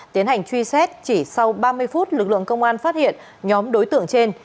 tiến hành truy xét chỉ sau ba mươi phút lực lượng công an phát hiện nhóm đối tượng trên